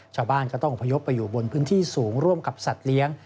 ชาวบ้านก็ต้องอพยพไปอยู่บนพื้นที่สูงร่วมกับสัตว์เลี้ยง